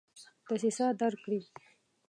دسیسه درک کړي.